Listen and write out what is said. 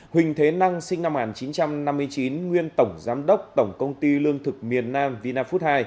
huỳnh thế năng sinh năm một nghìn chín trăm năm mươi chín nguyên tổng giám đốc tổng công ty lương thực miền nam vina food hai